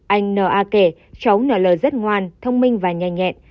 anh n a kể cháu n l rất ngoan thông minh và nhanh nhẹn